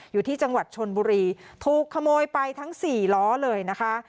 อยู่ที่จังหวัดชนบุรีถูกขโมยไปทั้งสี่ล้อเลยนะคะ